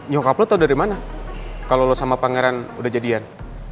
nyokap lo tau dari mana kalau lo sama pangeran udah jadian